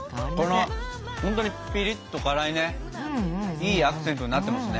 いいアクセントになってますね。